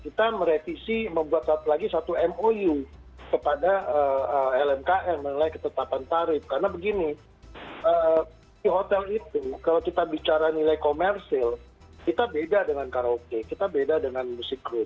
kita merevisi membuat lagi satu mou kepada lmkn menilai ketetapan tarif karena begini di hotel itu kalau kita bicara nilai komersil kita beda dengan karaoke kita beda dengan musik group